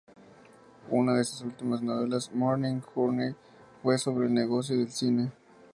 Una de sus últimas novelas, "Morning Journey", fue sobre el negocio del cine.